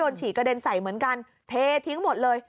นิสัยเหมือนกันเททิ้งหมดเลย